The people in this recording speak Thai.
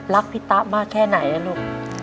รักมากแค่ไหนลูก